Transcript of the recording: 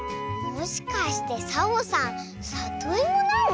もしかしてサボさんさといもなの？